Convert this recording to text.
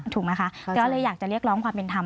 ถูกไหมคะก็เลยอยากจะเรียกร้องความเป็นธรรม